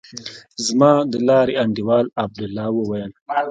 زما د لارې انډيوال عبدالله وويل.